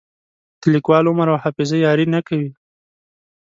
د لیکوال عمر او حافظه یاري نه کوي.